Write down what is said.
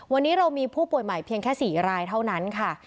วันนี้เรามีผู้ป่วยใหม่เพียงแค่๔รายเท่านั้นค่ะ